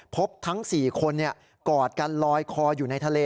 พบทั้ง๔คนกอดกันลอยคออยู่ในทะเล